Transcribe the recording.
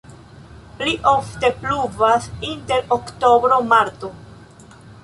Pli ofte pluvas inter oktobro-marto.